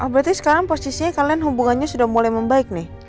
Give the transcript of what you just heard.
berarti sekarang posisinya kalian hubungannya sudah mulai membaik nih